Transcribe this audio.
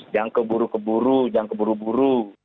jangan keburu keburu jangan keburu buru